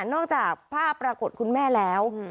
จากภาพปรากฏคุณแม่แล้ว